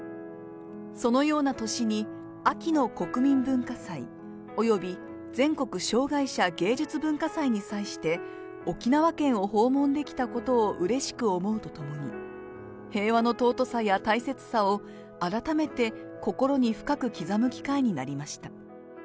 そのような年に、秋の国民文化祭、および全国障害者芸術・文化祭に際して、沖縄県を訪問できたことをうれしく思うとともに、平和の尊さや大切さを改めて心に深く刻む機会になりました。